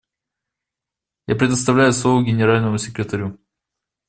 Я предоставляю слово Генеральному секретарю.